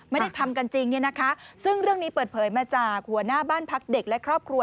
ไม่ได้ทำกันจริงเนี่ยนะคะซึ่งเรื่องนี้เปิดเผยมาจากหัวหน้าบ้านพักเด็กและครอบครัว